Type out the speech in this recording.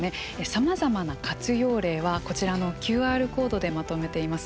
さまざまな活用例は、こちらのＱＲコードでまとめています。